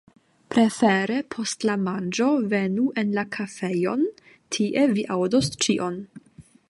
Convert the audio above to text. Prefere post la manĝo venu en la kafejon, tie vi aŭdos ĉion.